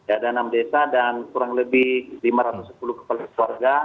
ada enam desa dan kurang lebih lima ratus sepuluh kepala keluarga